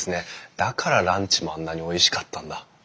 だからランチもあんなにおいしかったんだ。